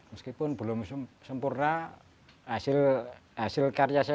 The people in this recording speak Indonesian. meskipun belum sempurna hasil karya saya